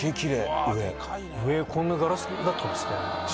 上こんなガラスだったんですね。